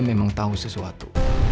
memang tahu sesuatu